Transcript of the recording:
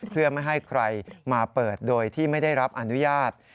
เพื่อไม่ให้ใครมาเปิดโดยที่ไม่ได้รับอนุญาต